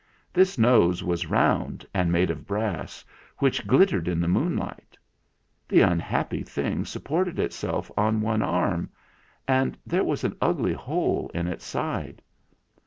This nose was round and made of brass, which glittered in the moonlight. The unhappy thing supported itself on one arm, and there was an ugly hole in its side.